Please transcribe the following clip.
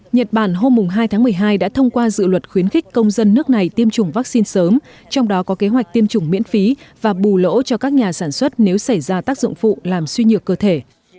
nhật bản hôm hai tháng một mươi hai đã thông qua dự luật khuyến khích công dân nước này tiêm chủng vaccine sớm trong đó có kế hoạch tiêm chủng miễn phí và bù lỗ cho các nhà sản xuất nếu xảy ra tác dụng phụ làm suy nhược cơ thể